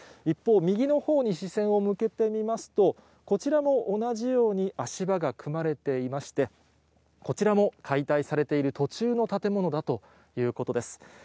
一方、右のほうに視線を向けてみますと、こちらも同じように足場が組まれていまして、こちらも解体されている途中の建物だということです。